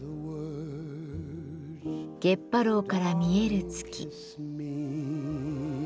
月波楼から見える月。